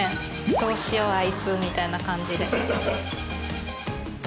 「どうしようアイツ」みたいな感じで。